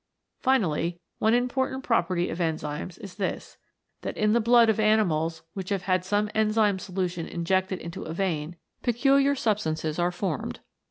Finally, one important property of enzymes is this, that in the blood of animals which have had some enzyme solution injected into a vein, peculiar substances are formed.